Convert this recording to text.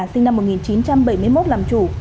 sinh năm một nghìn chín trăm bảy mươi một làm chủ